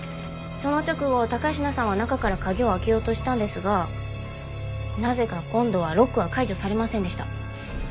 その直後高階さんは中から鍵を開けようとしたんですがなぜか今度はロックは解除されませんでした。